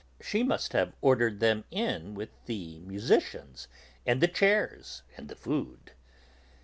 She must have ordered them in with the musicians and the chairs and the food.